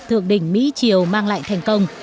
thượng đỉnh mỹ triều mang lại thành công